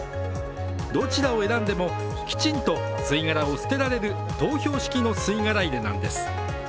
どちらを選んでもきちんと吸い殻を捨てられる投票式の吸い殻入れなんです。